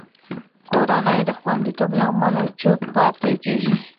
کورنۍ د خوندیتوب له امله چوپ پاتې کېږي.